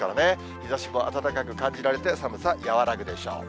日ざしも暖かく感じられて、寒さ和らぐでしょう。